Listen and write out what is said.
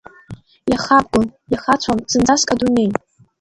Иахабгон, иахацәон зынӡаск адунеи.